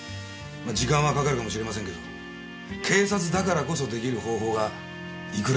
時間はかかるかもしれませんけど警察だからこそ出来る方法がいくらでもあったはずです。